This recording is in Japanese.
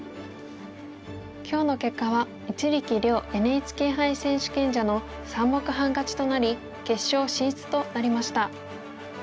今日の結果は一力遼ＮＨＫ杯選手権者の３目半勝ちとなり決勝進出となりました。